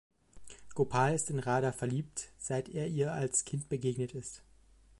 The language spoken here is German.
Gopal ist in Radha verliebt, seit er ihr als Kind begegnet ist.